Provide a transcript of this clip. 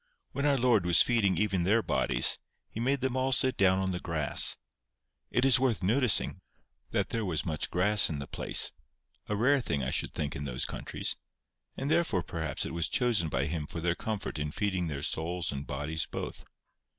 When our Lord was feeding even their bodies, He made them all sit down on the grass. It is worth noticing that there was much grass in the place—a rare thing I should think in those countries—and therefore, perhaps, it was chosen by Him for their comfort in feeding their souls and bodies both.